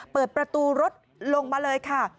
เปิดประตูรถลงมาเลยค่ะ